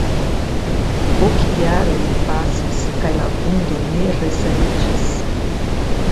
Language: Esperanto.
Ok jarojn pasis, kaj la vundo ne resaniĝis.